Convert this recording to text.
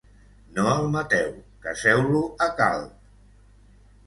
No el mateu. Caseu-lo a Calp!